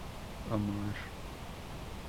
Omar St.